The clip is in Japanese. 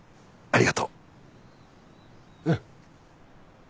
ありがとうよ。